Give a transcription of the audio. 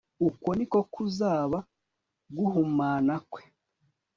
uko ni ko kuzaba guhumana kwe